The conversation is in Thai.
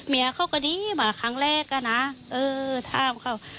เมียเขาก็ดีมาครั้งแรกนะ